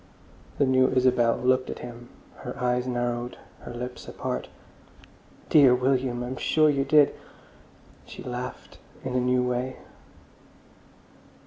The new Isabel looked at him, her eyes narrowed, her lips apart. "Dear William! I'm sure you did!" She laughed in the new way.